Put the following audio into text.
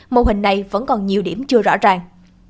mô hình này vẫn còn nhiều điểm chưa rõ ràng